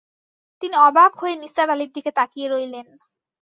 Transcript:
তিনি অবাক হয়ে নিসার আলির দিকে তাকিয়ে রইলেন।